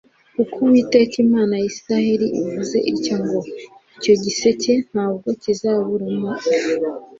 kuko Uwiteka Imana ya Isirayeli ivuze itya ngo Icyo giseke ntabwo kizaburamo ifu